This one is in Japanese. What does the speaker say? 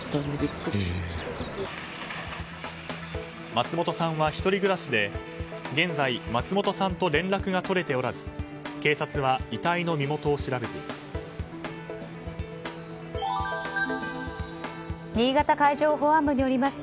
松本さんは１人暮らしで現在、松本さんと連絡が取れておらず警察は遺体の身元を調べています。